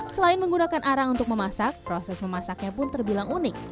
selain menggunakan arang untuk memasak proses memasaknya pun terbilang unik